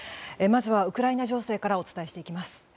まずはウクライナ情勢からお伝えしていきます。